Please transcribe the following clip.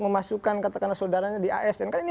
memasukkan katakanlah saudaranya di asn